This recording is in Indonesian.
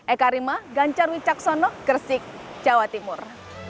eka rima ganjar wicaksono gresik jawa timur